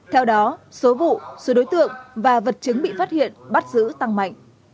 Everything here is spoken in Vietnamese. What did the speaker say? theo đó số vụ số đối tượng và vật chứng bị phát hiện bắt giữ tăng mạnh